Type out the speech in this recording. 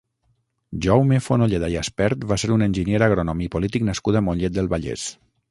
Jaume Fonolleda i Aspert va ser un enginyer agrònom i polític nascut a Mollet del Vallès.